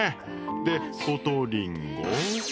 でコトリンゴ。